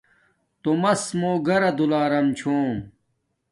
تومس مو گھرا دولارم چھوم